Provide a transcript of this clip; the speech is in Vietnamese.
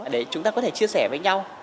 đấy chúng ta có thể chia sẻ với nhau